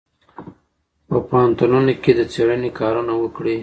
په پوهنتونونو کې د څېړنې کارونه وکړئ.